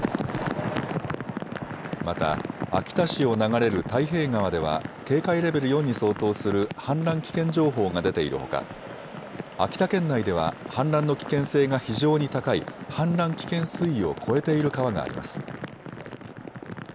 また秋田市を流れる太平川では警戒レベル４に相当する氾濫危険情報が出ているほか秋田県内では氾濫の危険性が非常に高い氾濫危険水位を超えている川があります。